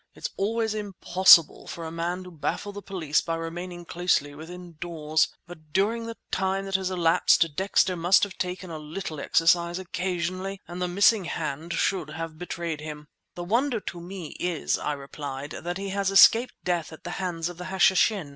It's always possible for a man to baffle the police by remaining closely within doors, but during all the time that has elapsed Dexter must have taken a little exercise occasionally, and the missing hand should have betrayed him." "The wonder to me is," I replied, "that he has escaped death at the hands of the Hashishin.